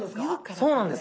そうなんです。